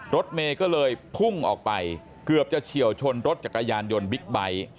รถเมย์ก็เลยพุ่งออกไปเกือบจะเฉียวชนรถจักรยานยนต์บิ๊กไบท์